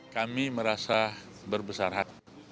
kami merasa berbesar hati